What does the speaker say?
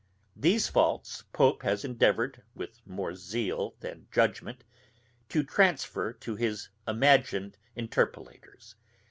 These faults Pope has endeavoured, with more zeal than judgment, to transfer to his imagined interpolators.